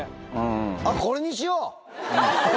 あっ、これにしよう。